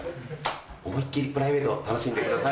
思いっ切りプライベートを楽しんでくださいませ。